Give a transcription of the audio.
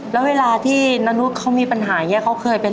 แล้วเวลาที่น้านลูกเขามีปัญหาอย่างเงี้ย